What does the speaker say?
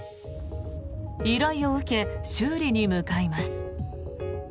依頼を受け、修理に向かいます。